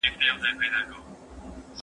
ډیپلومات باید زغم ولري.